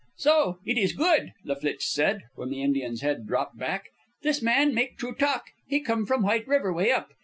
"So? It is good," La Flitche said, when the Indian's head dropped back. "This man make true talk. He come from White River, way up.